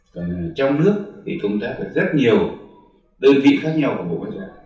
còn trong nước thì công tác ở rất nhiều đơn vị khác nhau của một quốc gia